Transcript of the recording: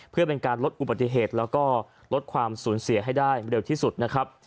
เพื่อเป็นการลดอุบัติเหตุแล้วก็ลดความสูญเสียให้ได้เร็วที่สุดนะครับ